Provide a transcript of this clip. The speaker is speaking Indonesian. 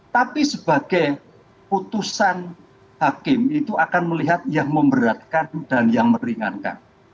tapi sebagai putusan hakim itu akan melihat yang memberatkan dan yang meringankan